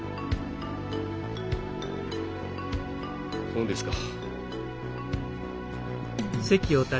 そうですか。